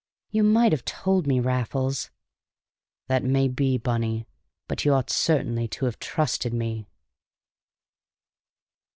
"You might have told me, Raffles!" "That may be, Bunny, but you ought certainly to have trusted me!"